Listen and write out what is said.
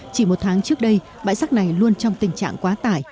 chỉ một tháng trước đây bãi rác này luôn trong tình trạng quá tải